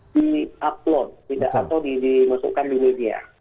di upload atau dimasukkan di media